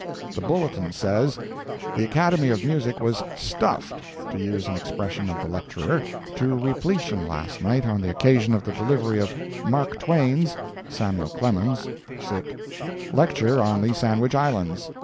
The Bulletin says: The Academy of music was "stuffed," to use an expression of the lecturer, to repletion last night, on the occasion of the delivery of "Mark Twain's" (Samuel Clements') lecture on the Sandwich Islands.